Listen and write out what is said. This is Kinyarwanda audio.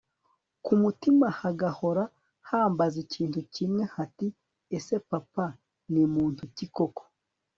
kumutima hagahora hambaza ikintu kimwe hati ese papa ni muntu ki koko